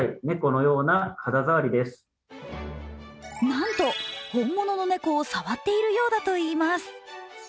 なんと、本物の猫を触っているようだといいます。